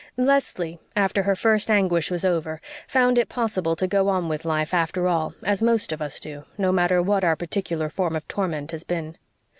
Leslie, after her first anguish was over, found it possible to go on with life after all, as most of us do, no matter what our particular form of torment has been.